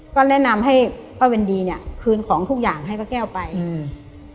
ก็แนะนำให้ป้าเวนดีเนี้ยคืนของทุกอย่างให้ป้าแก้วไปอืม